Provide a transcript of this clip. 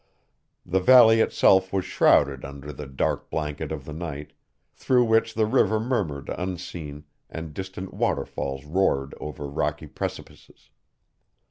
The valley itself was shrouded under the dark blanket of the night, through which the river murmured unseen and distant waterfalls roared over rocky precipices.